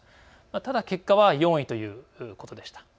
ただ結果は４位ということでした。